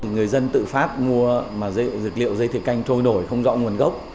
người dân tự phát mua dây thiều canh trôi nổi không rõ nguồn gốc